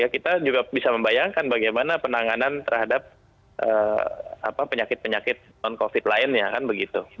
kita juga bisa membayangkan bagaimana penanganan terhadap penyakit penyakit non covid lainnya kan begitu